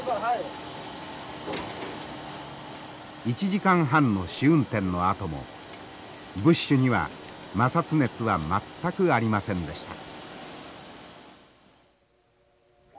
１時間半の試運転のあともブッシュには摩擦熱は全くありませんでした。